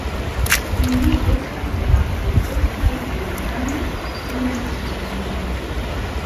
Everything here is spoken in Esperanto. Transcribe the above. Ili estas la plej oftaj vulkanoj sur la kontinentoj.